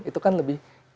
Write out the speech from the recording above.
iya itu kan lebih iya